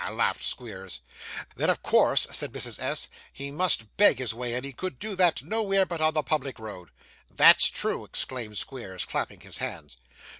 laughed Squeers. 'Then, of course,' said Mrs. S., 'he must beg his way, and he could do that, nowhere, but on the public road.' 'That's true,' exclaimed Squeers, clapping his hands.